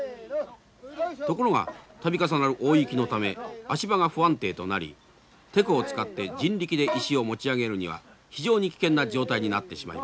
ところが度重なる大雪のため足場が不安定となりテコを使って人力で石を持ち上げるには非常に危険な状態になってしまいました。